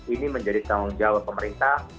ini menjadi tanggung jawab pemerintah